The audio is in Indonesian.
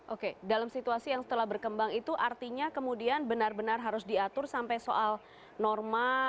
oke dalam situasi yang setelah berkembang itu artinya kemudian benar benar harus diatur sampai soal norma